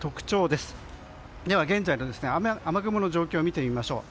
では、現在の雨雲の状況を見てみましょう。